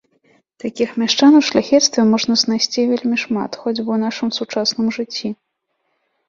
Такіх мяшчан у шляхецтве можна знайсці вельмі шмат хоць бы ў нашым сучасным жыцці.